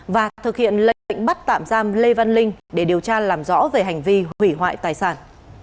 và thực hiện lệnh bắt tạm giam lê văn linh để điều tra làm rõ về hành vi hủy hoại tài sản